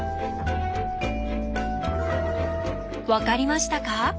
分かりましたか？